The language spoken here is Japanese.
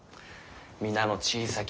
皆の小さき